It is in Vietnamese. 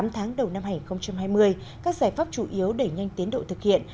tám tháng đầu năm hai nghìn hai mươi các giải pháp chủ yếu đẩy nhanh tiến độ thực hiện